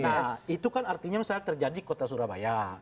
nah itu kan artinya misalnya terjadi kota surabaya